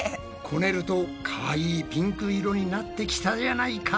こねるとかわいいピンク色になってきたじゃないか！